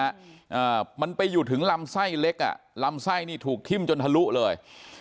อ่ามันไปอยู่ถึงลำไส้เล็กอ่ะลำไส้นี่ถูกทิ้มจนทะลุเลย